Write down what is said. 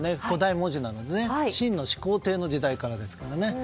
古代文字なのに秦の始皇帝の時代からですからね。